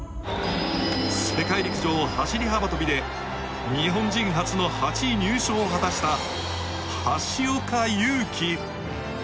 世陸陸上走幅跳で日本人初の８位入賞を果たした橋岡優輝。